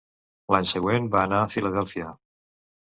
L'any següent va anar a Filadèlfia.